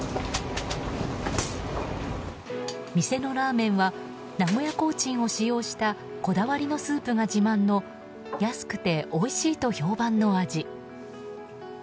店のラーメンは名古屋コーチンを使用したこだわりのスープが自慢の安くておいしいと評判の味。